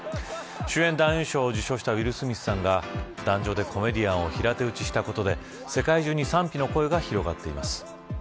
主演男優賞を受賞したウィル・スミスさんが壇上で、コメディアンを平手打ちしたことで世界中に賛否の声が広がっています。